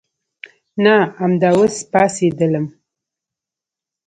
نه امدا اوس پاڅېدلمه.